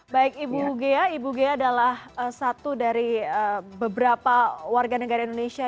baik ibu ghea ibu ghea adalah satu dari beberapa warga negara indonesia